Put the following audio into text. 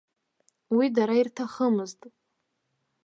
Уи дара ирҭахымызт.